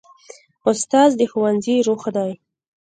استاد د ښوونځي روح دی.